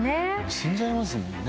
死んじゃいますもんね。